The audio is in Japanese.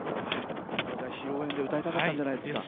ホントはじゃあ披露宴で歌いたかったんじゃないですか？